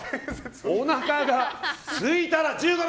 おなかがすいたら、１５秒。